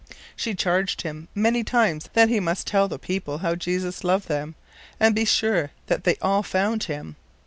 She charged him many times that he must tell the people how Jesus loved them, and be sure that they all found him.